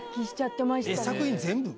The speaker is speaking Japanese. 作品全部？